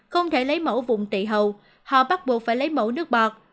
không thể lấy mẫu vùng tị hầu họ bắt buộc phải lấy mẫu nước bọt